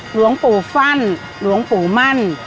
หลวงปู่ฟั่นหลวงปู่มั่น